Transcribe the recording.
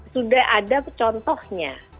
sudah ada contohnya